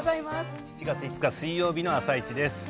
７月５日水曜日の「あさイチ」です。